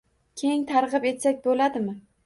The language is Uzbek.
Keng targ‘ib etsak bo’ladi.